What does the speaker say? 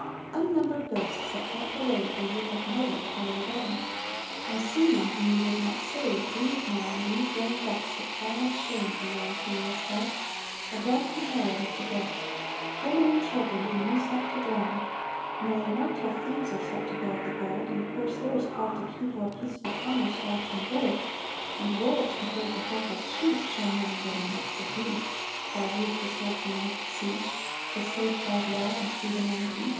Unnumbered ghosts that haunt the wave Where you have murdered, cry you down; And seamen whom you would not save Weave now in weed grown depths a crown Of shame for your imperious head, A dark memorial of the dead, Women and children whom you sent to drown. Nay, not till thieves are set to guard The gold, and corsairs called to keep O'er peaceful commerce watch and ward, And wolves to herd the helpless sheep, Shall men and women look to thee, Thou ruthless Old Man of the Sea, To safeguard law and freedom on the deep!